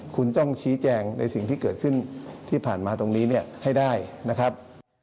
คุณต้องชี้แจงในสิ่งที่เกิดขึ้นที่ผ่านมาตรงนี้เนี่ยให้ได้นะครับ